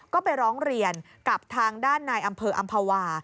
ก็ไปร้องเรียนกับทางด้านนายอำเภออำภาวา